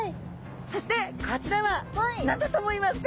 そしてこちらは何だと思いますか？